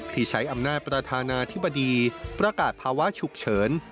ที่ใช้อำนาจประธานาธิบดีประกาศภาวะฉุกเฉิน